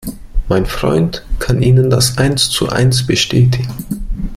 Mein Freund kann Ihnen das eins zu eins bestätigen.